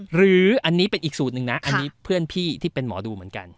หรืออันนี้เป็นอีกสูตรหนึ่งนะอันนี้เพื่อนพี่ที่เป็นหมอดูเหมือนกัน